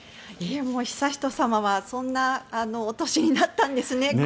悠仁さまはそんなお歳になったんですね。